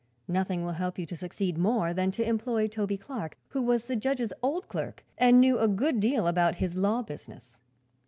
Nothing will help you to succeed more than to employ Toby Clark, who was the judge's old clerk and knew a good deal about his law business.